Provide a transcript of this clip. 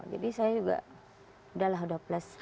jadi saya juga udahlah udah plus